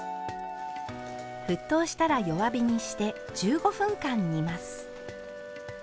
沸騰したら弱火にして１５分間煮ます。